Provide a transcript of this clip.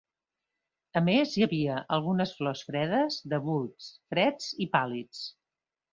A més, hi havia algunes flors fredes, de bulbs freds i pàl·lids.